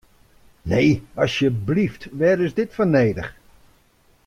Nee, asjeblyft, wêr is dit foar nedich?